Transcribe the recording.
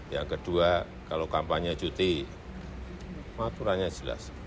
yang kedua kalau kampanye cuti aturannya jelas